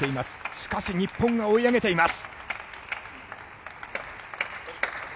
しかし日本が追い上げています。